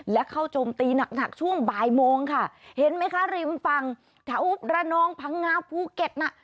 และเข้าโจมตีหนักช่วงบ่ายโมงค่ะเห็นไหมคะริมฟังถ้าอุ๊บรนองพังงานพูเก็ตนะ